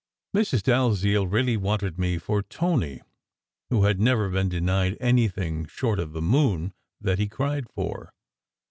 Mrs. Dalziel really wanted me for Tony, who had never been denied anything short of the moon that he cried for.